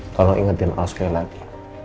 tolong ingetin hal sekali lagi